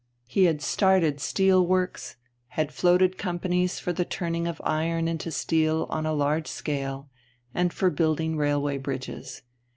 He had started steel works, had floated companies for the turning of iron into steel on a large scale, and for building railway bridges.